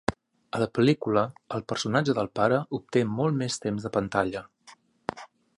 A la pel·lícula, el personatge del "Pare" obté molt més temps de pantalla.